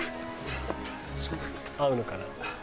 合うのかな？